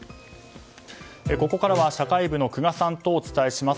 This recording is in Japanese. ここからは社会部の空閑さんとお伝えします。